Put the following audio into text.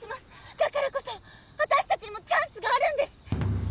だからこそあたしたちにもチャンスがあるんです！